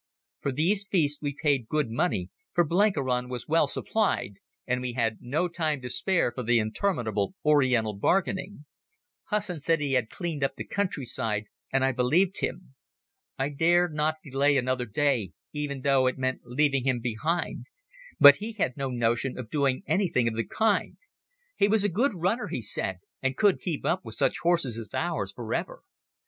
For these beasts we paid good money, for Blenkiron was well supplied and we had no time to spare for the interminable Oriental bargaining. Hussin said he had cleaned up the countryside, and I believed him. I dared not delay another day, even though it meant leaving him behind. But he had no notion of doing anything of the kind. He was a good runner, he said, and could keep up with such horses as ours for ever.